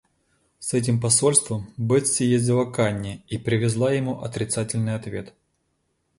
С этим посольством Бетси ездила к Анне и привезла ему отрицательный ответ.